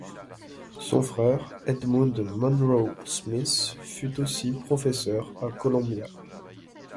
Son frère, Edmund Munroe Smith, fut aussi professeur à Colombia.